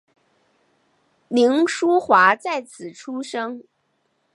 凌叔华在此出生。